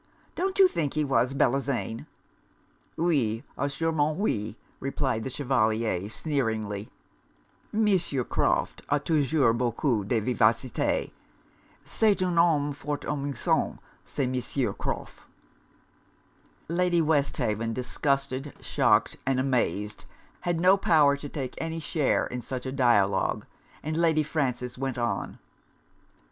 Don't you think he was, Bellozane?' 'O! assurement oui,' replied the Chevalier, sneeringly, 'Monsieur Croff a toujours beaucoup de vivacité. C'est un homme fort amusant ce Monsieur Croff.' Lady Westhaven, disgusted, shocked, and amazed, had no power to take any share in such a dialogue; and Lady Frances went on.